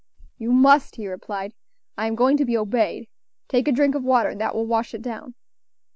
"You must," he replied; "I am going to be obeyed. Take a drink of water, and that will wash it down."